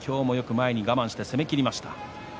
我慢してよく攻めきりました。